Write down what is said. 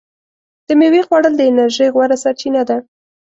د میوې خوړل د انرژۍ غوره سرچینه ده.